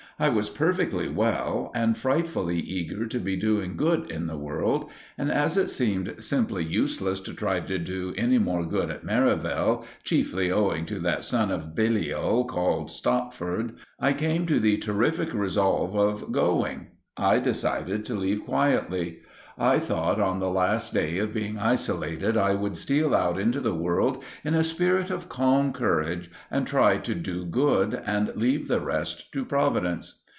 I was perfectly well and frightfully eager to be doing good in the world; and as it seemed simply useless to try to do any more good at Merivale, chiefly owing to that son of Belial called Stopford, I came to the terrific resolve of going. I decided to leave quietly. I thought on the last day of being isolated I would steal out into the world in a spirit of calm courage, and try to do good, and leave the rest to Providence.